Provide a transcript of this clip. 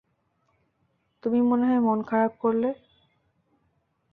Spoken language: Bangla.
তুমি মনে হয় মন-খারাপ করলে?